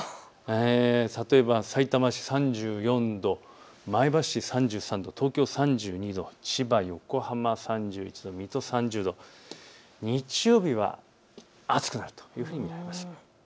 例えばさいたま市３４度、前橋市３３度、東京３２度、千葉、横浜３１度、水戸３０度、日曜日は暑くなると見られます。